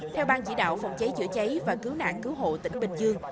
theo bang chỉ đạo phòng cháy chữa cháy và cứu nạn cứu hộ tỉnh bình dương